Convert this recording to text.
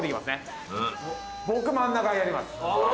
僕真ん中やります。